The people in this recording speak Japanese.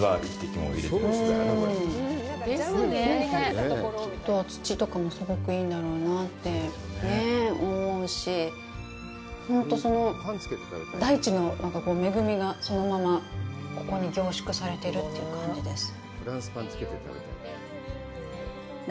きっと、土とかもすごくいいんだろうなって思うし本当、大地の恵みが、そのままここに凝縮されているという感じです。